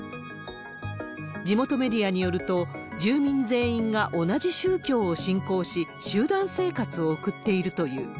地元メディアによると、住民全員が同じ宗教を信仰し、集団生活を送っているという。